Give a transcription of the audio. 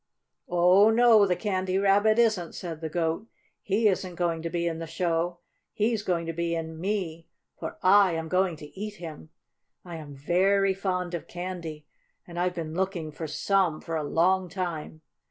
"Oh, no, the Candy Rabbit isn't!" said the Goat. "He isn't going to be in the show. He's going to be in me, for I am going to eat him! I am very fond of candy, and I've been looking for some for a long time.